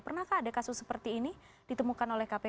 pernahkah ada kasus seperti ini ditemukan oleh kpk